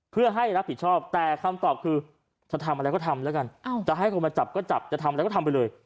เพื่อให้รับผิดชอบแต่คำตอบคือจะทำอะไรก็ทำแล้วกันจะให้คนมาจับก็จับจะทำอะไรก็ทำไปเลย